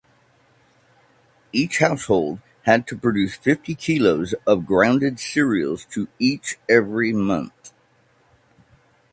Each household had to produce fifty kilos of grounded cereals to each every month.